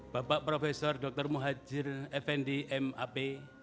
bapak profesor dr muhajir effendi map